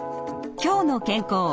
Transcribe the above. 「きょうの健康」